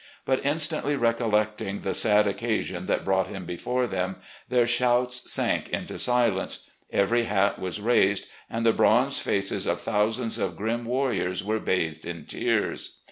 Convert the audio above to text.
But instantly recollecting the sad occasion that brought him before them, their shouts sank into silence, every hat was raised, and the bronzed faces of thousands of grim warriors were bathed in tears.